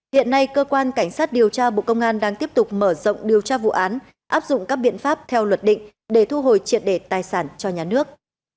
hiện nay cơ quan cảnh sát điều tra bộ công an đang tiếp tục mở rộng điều tra vụ án áp dụng các biện pháp theo luật định để thu hồi triệt đề tài sản cho nhà nước